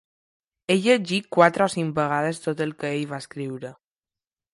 He llegit quatre o cinc vegades tot el que ell va escriure.